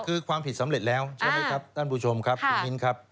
คือความผิดสำเร็จแล้วใช่ไหมครับท่านผู้ชมครับคุณมิ้นครับ